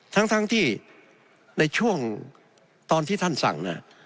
ทั้งที่ในช่วงตอนที่ท่านสั่งนะ